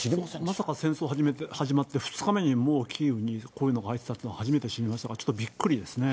まさか戦争始まって２日目にもうキーウにこういうのが入ってたっていうのは初めて知りましたが、ちょっとびっくりですね。